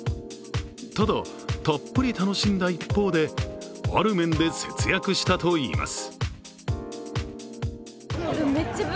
ただ、たっぷり楽しんだ一方である面で節約したといいます。